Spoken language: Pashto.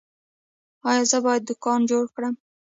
ایا زه باید دوکان جوړ کړم؟